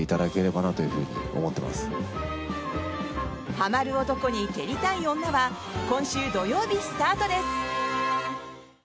「ハマる男に蹴りたい女」は今週土曜日スタートです！